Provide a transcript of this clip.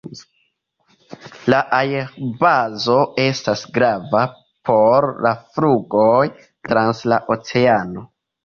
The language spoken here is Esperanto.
La aerbazo estas grava por la flugoj trans la oceano.